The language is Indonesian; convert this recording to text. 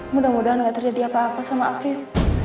mudah mudahan gak terjadi apa apa sama afir